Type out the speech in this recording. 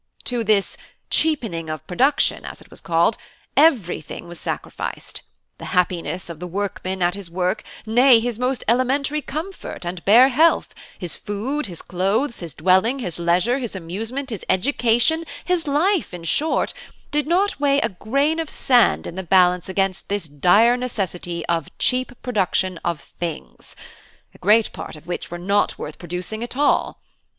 To this 'cheapening of production', as it was called, everything was sacrificed: the happiness of the workman at his work, nay, his most elementary comfort and bare health, his food, his clothes, his dwelling, his leisure, his amusement, his education his life, in short did not weigh a grain of sand in the balance against this dire necessity of 'cheap production' of things, a great part of which were not worth producing at all.